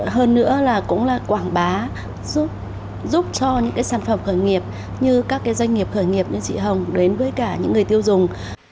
hơn nữa là cũng là quảng bá giúp cho những sản phẩm khởi nghiệp như các doanh nghiệp khởi nghiệp như chị hồng đến với cả những người tiêu dùng